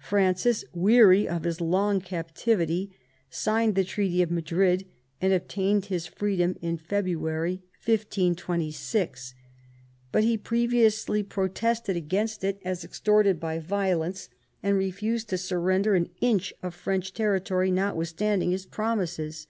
Francis, weary of his long captivity, signed the treaty of Madrid, and obtained his freedom in February 1526. But he previously protested against it as extorted by violence, and refused to surrender an inch of French territory notwithstanding his promises.